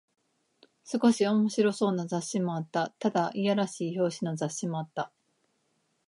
少し面白そうな雑誌もあった。ただ、いやらしい表紙の雑誌もあった。